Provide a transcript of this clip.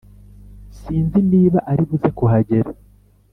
sinzi niba aribuze kuhagera